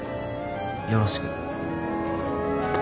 よろしく。